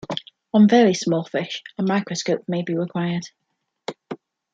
On very small fish, a microscope may be required.